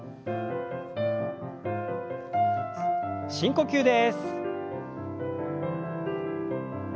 深呼吸です。